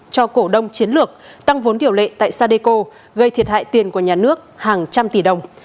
cho cổ đông chiến lược tăng vốn điều lệ tại sadeco gây thiệt hại tiền của nhà nước hàng trăm tỷ đồng